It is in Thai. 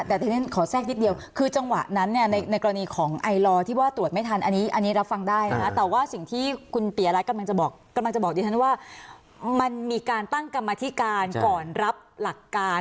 อันนี้คือทำข่าวมาก็ก้งงเหมือนกันนะมีกรรมธิการก่อนรับหลักการ